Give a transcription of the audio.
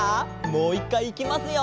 もう１かいいきますよ。